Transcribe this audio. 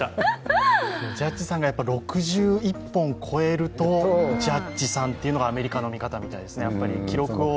ジャッジさんが６１本を超えるとジャッジさんというのがアメリカの見方みたいですね。